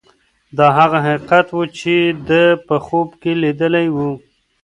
دا هغه حقیقت و چې ده په خوب کې لیدلی و.